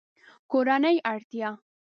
کورنۍ اړتیا